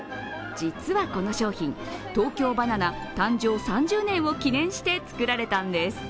実はこの商品、東京ばな奈誕生３０年を記念して作られたんです。